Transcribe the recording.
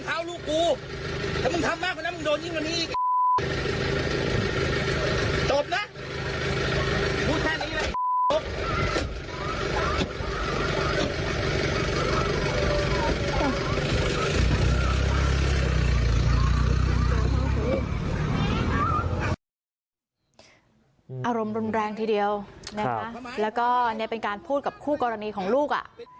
อารมณ์ร่มแรงทีเดียวแล้วก็เป็นการพูดกับคู่กรณีของลูก